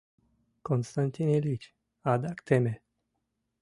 — Константин Ильич, адак теме.